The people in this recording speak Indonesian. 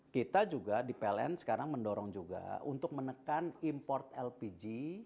kita juga di pln sekarang mendorong juga untuk menekan import lpg